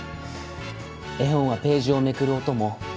絵本はページをめくる音も